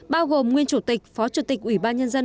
bao gồm nguyên chủ tịch phó chủ tịch ủy ban nhân dân